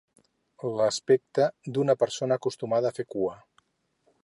L'aspecte d'una persona acostumada a fer cua.